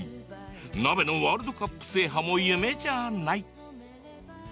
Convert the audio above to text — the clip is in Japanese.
鍋のワールドカップ制覇も夢じゃない！